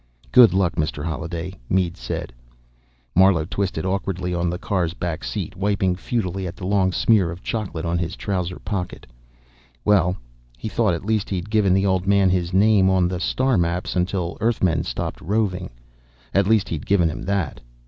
"Good luck, Mr. Holliday," Mead said. Marlowe twisted awkwardly on the car's back seat, wiping futilely at the long smear of chocolate on his trouser pocket. Well, he thought, at least he'd given the old man his name on the star maps until Earthmen stopped roving. At least he'd given him that.